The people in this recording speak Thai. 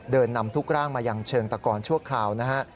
นำทุกร่างมายังเชิงตะกอนชั่วคราวนะฮะ